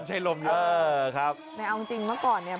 ใช้ลมใช้ลมเออครับแน่เอาจริงเมื่อก่อนเนี้ย